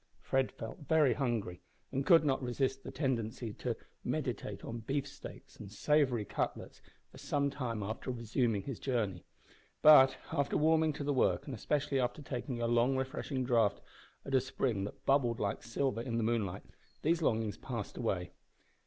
Fred felt very hungry, and could not resist the tendency to meditate on beefsteaks and savoury cutlets for some time after resuming his journey; but, after warming to the work, and especially after taking a long refreshing draught at a spring that bubbled like silver in the moonlight, these longings passed away.